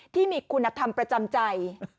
ที่มีคุณธรรมประจำใจ